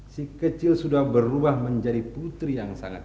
si kecil sudah berubah menjadi putri yang sangat